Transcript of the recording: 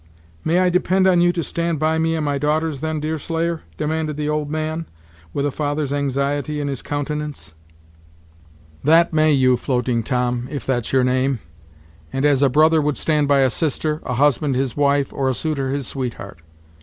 "May I depend on you to stand by me and my daughters, then, Deerslayer?" demanded the old man, with a father's anxiety in his countenance. "That may you, Floating Tom, if that's your name; and as a brother would stand by a sister, a husband his wife, or a suitor his sweetheart.